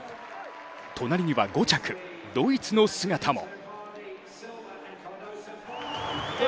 隣には５着、ドイツの姿も。